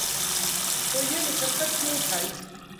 تو یہ مشقت کیوں اٹھائی؟